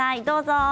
どうぞ。